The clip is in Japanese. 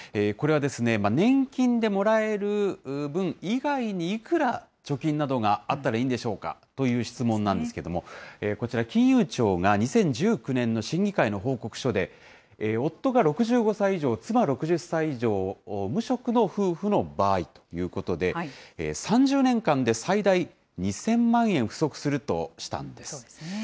これは年金でもらえる分以外に、いくら貯金などがあったらいいんでしょうかという質問なんですけれども、こちら、金融庁が２０１９年の審議会の報告書で、夫が６５歳以上、妻６０歳以上、無職の夫婦の場合ということで、３０年間で最大２０００万円不足するとしたんです。